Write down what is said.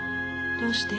どうして？